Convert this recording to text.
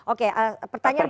oke pertanyaan ter